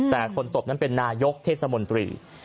แต่คนตบนั้นเป็นนายกเทศมนตรี